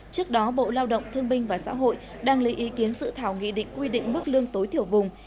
trước đó bộ lao động thương binh và xã hội đang lấy ý kiến sự thảo nghị định quy định mức lương tối thiểu vùng